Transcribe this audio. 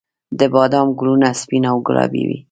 د بادام ګلونه سپین او ګلابي وي